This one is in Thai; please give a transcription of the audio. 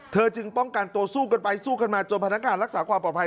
จึงป้องกันตัวสู้กันไปสู้กันมาจนพนักงานรักษาความปลอดภัย